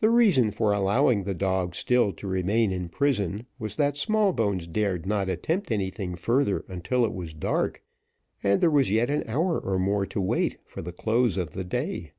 The reason for allowing the dog still to remain in prison, was that Smallbones dared not attempt anything further until it was dark, and there was yet an hour or more to wait for the close of the day.